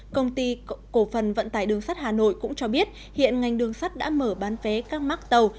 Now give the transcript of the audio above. công ty cổ phần vận tải đường sắt hà nội cũng cho biết hiện ngành đường sắt đã mở bán vé các mắc tàu